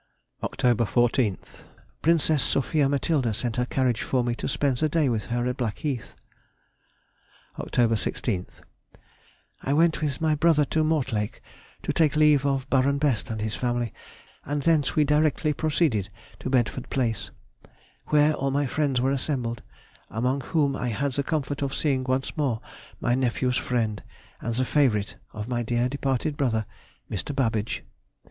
Oct. 14th.—Princess Sophia Matilda sent her carriage for me to spend the day with her at Blackheath. Oct. 16th.—I went with my brother to Mortlake to take leave of Baron Best and family; and thence we directly proceeded to Bedford Place, where all my friends were assembled, among whom I had the comfort of seeing once more my nephew's friend, and the favourite of my dear departed brother, Mr. Babbage.